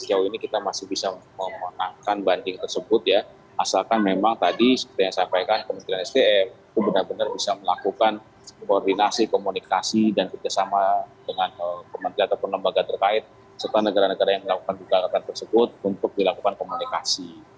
sejauh ini kita masih bisa memenangkan banding tersebut ya asalkan memang tadi seperti yang saya sampaikan kementerian sdm itu benar benar bisa melakukan koordinasi komunikasi dan kerjasama dengan kementerian atau lembaga terkait serta negara negara yang melakukan bukalatan tersebut untuk dilakukan komunikasi